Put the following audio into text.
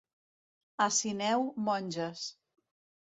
A Sineu, monges.